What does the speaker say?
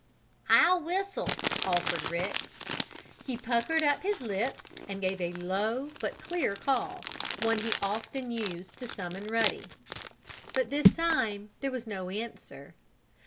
"I'll whistle," offered Rick. He puckered up his lips and gave a low, but clear call one he often used to summon Ruddy. But this time there was no answer.